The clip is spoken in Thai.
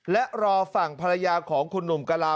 และรอฝั่งภรรยาของคุณหนุ่มกะลา